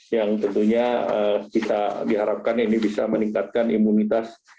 yang tentunya kita diharapkan ini bisa meningkatkan imunitas